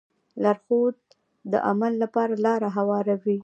لارښود د عمل لپاره لاره هواروي.